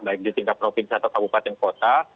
baik di tingkat provinsi atau kabupaten kota